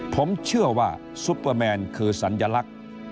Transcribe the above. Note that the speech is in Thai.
ผมเชื่อว่าซุปเปอร์แมนคือสัญลักษณ์